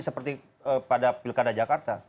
seperti pada pilkada jakarta